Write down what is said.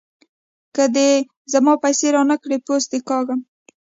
که دې زما پيسې را نه کړې؛ پوست دې کاږم.